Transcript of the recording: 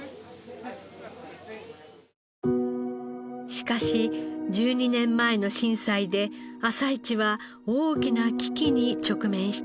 しかし１２年前の震災で朝市は大きな危機に直面したのです。